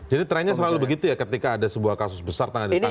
jadi trennya selalu begitu ya ketika ada sebuah kasus besar tangan di tangan